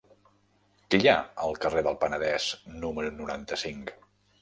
Què hi ha al carrer del Penedès número noranta-cinc?